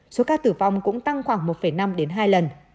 số ca tử vong cũng tăng khoảng một năm đến hai lần